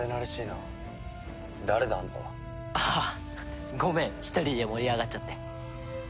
ああごめん１人で盛り上がっちゃって。